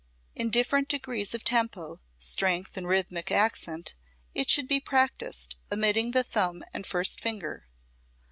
In different degrees of tempo, strength and rhythmic accent it should be practised, omitting the thumb and first finger.